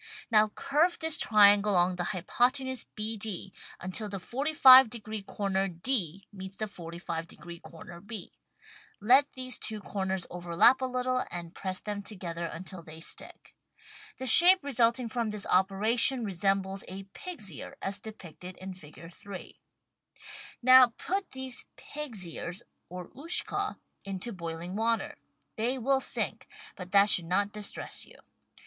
Now curve this triangle along the hypotenuse BD until the 45 degree comer D meets the 45 degree corner B. Let these two WRITTEN FOR MEN BY MEN corners overlap a little and press them together until they stick. The shape resulting from this operation resembles a pig's ear, as depicted in Figure 3. Now put these pig's ears or Ushka into boiling water; they will sink, but that should not distress you.